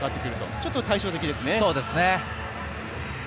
ちょっと対照的ですね。